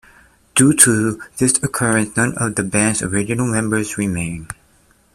Due to this occurrence, none of the band's original members remain.